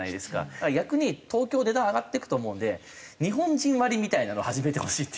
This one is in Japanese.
だから逆に東京値段上がっていくと思うんで「日本人割」みたいなの始めてほしいっていうか。